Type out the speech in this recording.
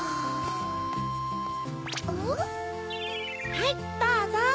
はいどうぞ。